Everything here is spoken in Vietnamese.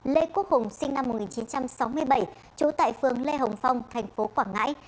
lê quốc hùng sinh năm một nghìn chín trăm sáu mươi bảy trú tại phường lê hồng phong thành phố quảng ngãi